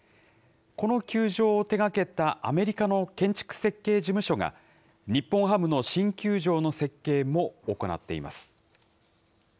この球場を手がけたアメリカの建築設計事務所が、日本ハムの新球場の設計も行っています。